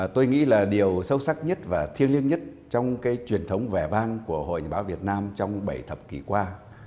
tôi nghĩ là điều sâu sắc nhất và thiêng liêng nhất trong cái truyền thống vẻ vang của hội nhà báo việt nam trong bảy thập kỷ qua